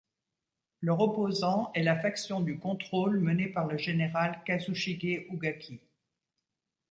Leur opposant est la faction du contrôle menée par le général Kazushige Ugaki.